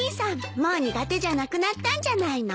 もう苦手じゃなくなったんじゃないの？